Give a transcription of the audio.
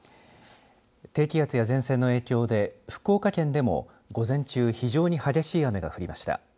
低気圧や前線の影響で福岡県でも午前中非常に激しい雨が降りました。